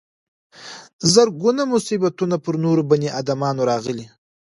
زرګونه مصیبتونه پر نورو بني ادمانو راغلي.